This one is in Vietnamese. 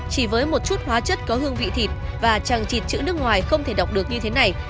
chỉ với một chút hóa chất có hương vị thịt và trang trịt chữ nước ngoài không thể đọc được như thế này